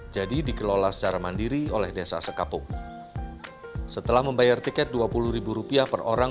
jadi dikelola secara mandiri oleh desa sekapuk setelah membayar tiket dua puluh rupiah per orang